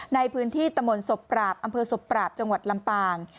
ในพื้นที่ตะมนต์ศพปราบอำเภอศพปราบจังหวัดลำปาง